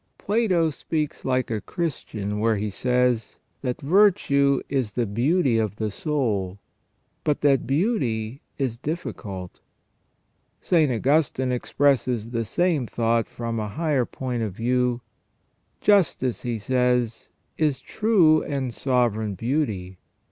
* Plato speaks like a Christian where he says, that " virtue is the beauty of the soul," but that " beauty is difficult ". St. Augustine expresses the same thought from a higher point of view : "Justice," he says, "is true and sovereign beauty.